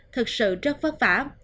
thực sự rất vất vả